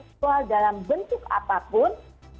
seksual dalam bentuk apapun